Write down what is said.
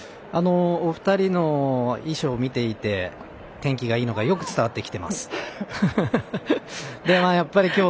お二人の衣装を見て天気がいいのがよく伝わってきてます。